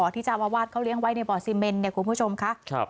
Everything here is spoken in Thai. ที่เจ้าอาวาสเขาเลี้ยงไว้ในบ่อซีเมนเนี่ยคุณผู้ชมค่ะ